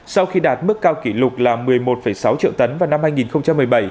sau khi đạt mức cao kỷ lục là một mươi một sáu triệu tấn vào năm hai nghìn một mươi bảy